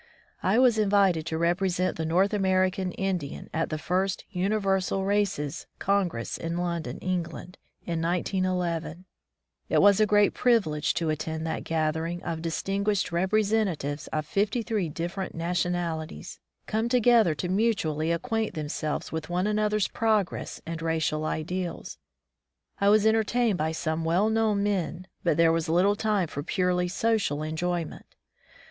I was invited to represent the North American Indian at the First Universal Races Congress in London, England, i^ 1911. It was a great privilege to attend that gath ering of distinguished representatives of 53 diflFerent nationalities, come together to mutually acquaint themselves with one an other's progress and racial ideals. I was entertained by some well known men, but there was little time for purely social en joyment.